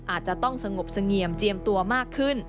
อาจจะต้องสงบเสงี่ยมเจียมตัวมากขึ้น